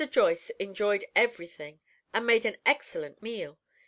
Joyce enjoyed every thing, and made an excellent meal.